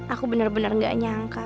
aku bener bener gak nyangka